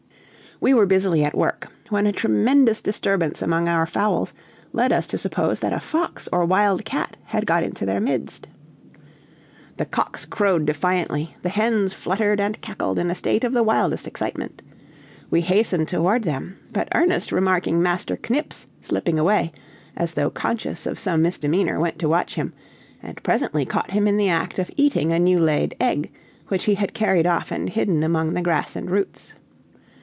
We were busily at work, when a tremendous disturbance among our fowls led us to suppose that a fox or wild cat had got into their midst. The cocks crowed defiantly, the hens fluttered and cackled in a state of the wildest excitement. We hastened toward them, but Ernest remarking Master Knips slipping away, as though conscious of some misdemeanor, went to watch him, and presently caught him in the act of eating a new laid egg, which he had carried off and hidden among the grass and roots.